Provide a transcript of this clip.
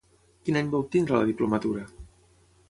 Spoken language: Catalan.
Quin any va obtenir la diplomatura?